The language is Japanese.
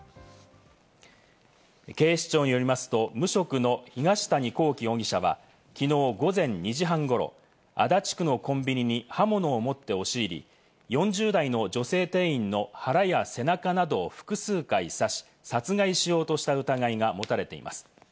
警視庁によりますと、無職の東谷昂紀容疑者はきのう午前２時半ごろ、足立区のコンビニに刃物を持って押し入り、４０代の女性店員の腹や背中などを複数回刺し、殺害しようとした疑いが持たれています。